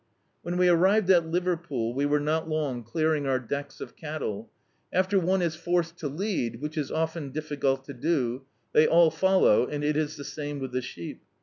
When we arrived at Liverpool, we were not long clearing our decks of cattle. After one is forced to lead, which is often difficult to do, they all follow, and it is the same with the sheep.